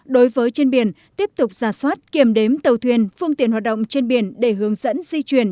đối với trên biển tiếp tục giả soát kiểm đếm tàu thuyền phương tiện hoạt động trên biển để hướng dẫn di chuyển